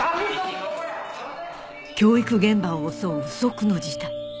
教育現場を襲う不測の事態